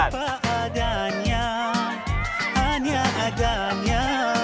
hati apa adanya hanya agamnya